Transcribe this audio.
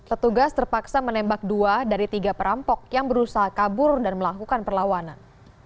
petugas terpaksa menembak dua dari tiga perampok yang berusaha kabur dan melakukan perlawanan